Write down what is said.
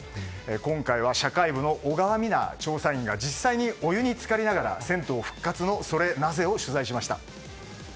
今回は社会部の小川美那調査員が実際にお湯に浸かりながら銭湯復活のソレなぜ？を取材しました。